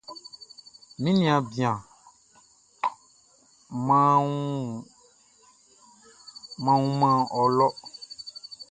Mi niaan bian, mʼan wunman wɔ lɔ.